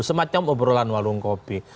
semacam obrolan walung kopi